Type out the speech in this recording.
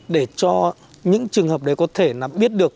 để cho những trường hợp đấy có thể biết được